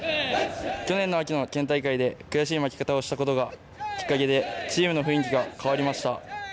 去年の秋の県大会で悔しい負け方をしたことがきっかけでチームの雰囲気が変わりました。